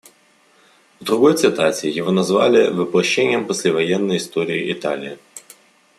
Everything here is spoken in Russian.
В другой цитате его назвали «воплощением послевоенной истории Италии».